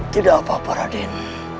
tidak apa apa raden